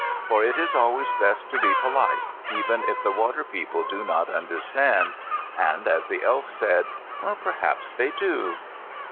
For it is always best to be polite, even if the water people do not understand. And, as the Elf said, "Perhaps they do."